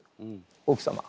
奥様。